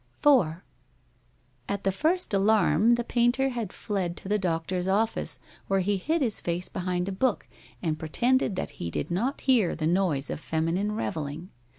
IV At the first alarm the painter had fled to the doctor's office, where he hid his face behind a book and pretended that he did not hear the noise of feminine revelling.